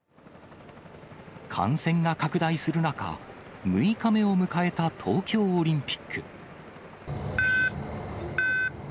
感染が拡大する中、６日目を迎えた東京オリンピック。